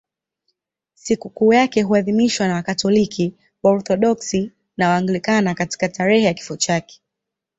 Sikukuu yake huadhimishwa na Wakatoliki, Waorthodoksi na Waanglikana tarehe ya kifo chake.